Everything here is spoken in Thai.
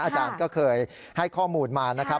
อาจารย์ก็เคยให้ข้อมูลมานะครับ